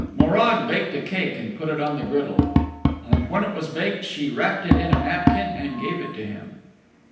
Morag baked a cake and put it on the griddle. And when it was baked she wrapped it in a napkin and gave it to him.